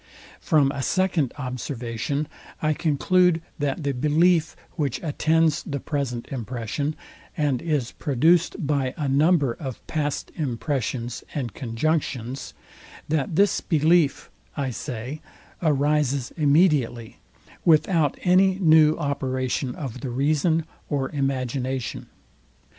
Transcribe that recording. From a second observation I conclude, that the belief, which attends the present impression, and is produced by a number of past impressions and conjunctions; that this belief, I say, arises immediately, without any new operation of the reason or imagination.